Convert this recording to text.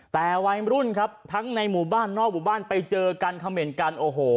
แต่วัยรุ่นครับทั้งในหมู่บ้านนอกหมู่บ้านไปเจอกันเขม่นกันโอ้โห